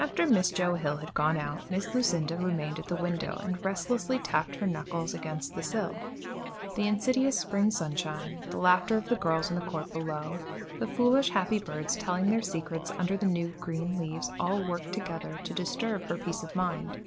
After Miss Joe Hill had gone out, Miss Lucinda remained at the window and restlessly tapped her knuckles against the sill. The insidious spring sunshine, the laughter of the girls in the court below, the foolish happy birds telling their secrets under the new, green leaves, all worked together to disturb her peace of mind.